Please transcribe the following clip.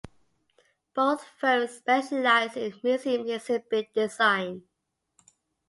Both firms specialize in museum exhibit design.